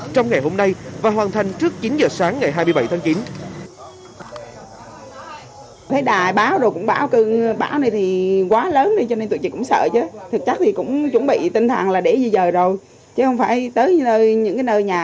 trong ngày hôm nay và hoàn thành trước chín giờ sáng ngày hai mươi bảy tháng chín